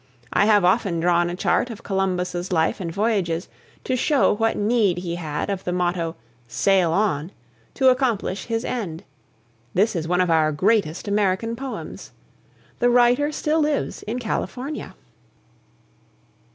I have often drawn a chart of Columbus's life and voyages to show what need he had of the motto "Sail On!" to accomplish his end. This is one of our greatest American poems. The writer still lives in California.